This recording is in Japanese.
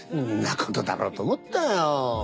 んなことだろうと思ったよ。